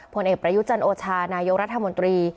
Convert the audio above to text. ผลเอกประยุจันโอชานายกรัฐมนตรี